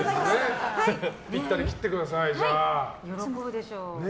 ぴったり切ってください。